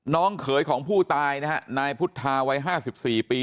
น้องเขยของผู้ตายนายพุทธาไว้๕๔ปี